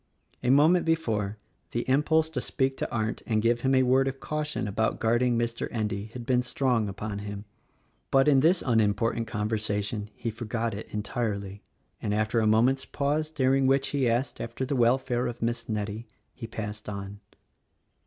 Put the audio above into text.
A moment before, the impulse to speak to Arndt and give him a word of caution about guarding Mr. Endy had been strong upon him, but in this unimportant conversa tion he forgot it entirely, and after a moment's pause dur ing which he asked after the welfare of Miss Nettie, he passed on.